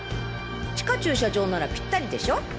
地下駐車場ならピッタリでしょ。